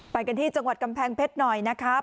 ไปกันที่จังหวัดกำแพงเพชรหน่อยนะครับ